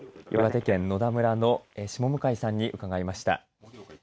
岩手県野田村の下向さんにうかがいました。